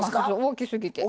大きすぎて。